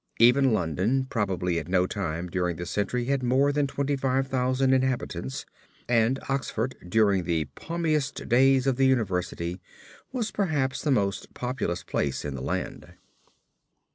Even London probably at no time during the century had more than twenty five thousand inhabitants and Oxford during the palmiest days of the University was perhaps the most populous place in the land.